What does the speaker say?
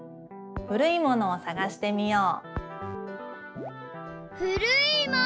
「古いものをさがしてみよう」。